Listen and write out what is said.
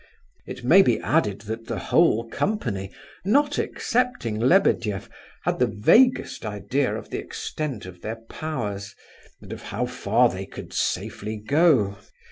It may be added that the whole company, not excepting Lebedeff, had the vaguest idea of the extent of their powers, and of how far they could safely go.